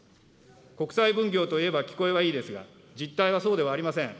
国民分業といえば聞こえはいいですが、実態はそうではありません。